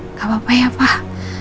nggak apa apa ya pak